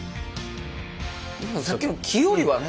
でもさっきの木よりはね